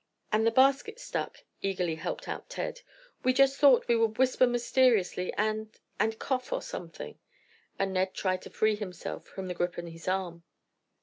"And the basket stuck," eagerly helped out Ted. "We just thought we would whisper mysteriously and—and cough—or something," and Ned tried to free himself from the grip on his arm.